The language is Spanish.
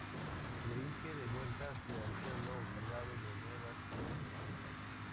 Se dirigen de vuelta hacia el pueblo cargados de nuevas ideas que aplicar.